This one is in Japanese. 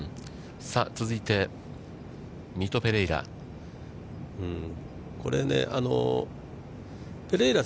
さあ続いて、ミト・ペレイラ。